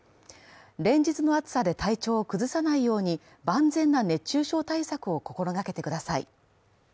連日の暑さで体調を崩さないように万全な熱中症対策を心がけてください。